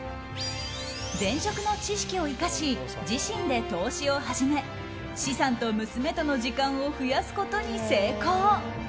前職の知識を生かし自身で投資を始め資産と娘との時間を増やすことに成功。